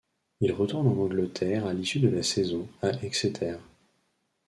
Il retourne en Angleterre à l'issue de la saison, à Exeter.